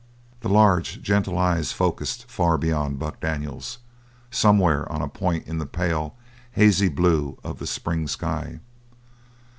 The large, gentle eyes focused far beyond Buck Daniels, somewhere on a point in the pale, hazy blue of the spring sky.